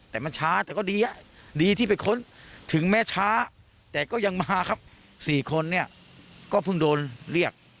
แต่มันช้าแต่ก็ดีดีที่ไปค้นถึงแม้ช้าแต่ก็ยังมาครับ๔คนเนี่ยก็เพิ่งโดนเรียก